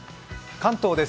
関東です。